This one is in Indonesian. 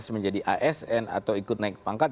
menjadi asn atau ikut naik pangkat